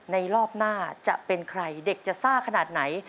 รอบหน้าจะเป็นใครเด็กจะซ่าขนาดไหน